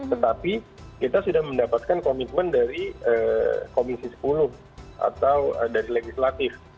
tetapi kita sudah mendapatkan komitmen dari komisi sepuluh atau dari legislatif